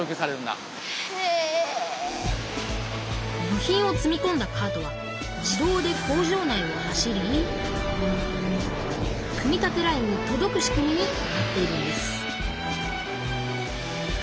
部品を積みこんだカートは自動で工場内を走り組み立てラインにとどく仕組みになっているんです